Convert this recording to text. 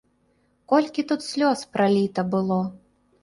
Колькі тут слёз праліта было!